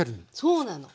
そうなの。